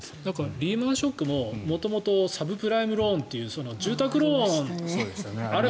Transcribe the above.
リーマン・ショックも元々サブプライムローンっていう住宅ローンあれ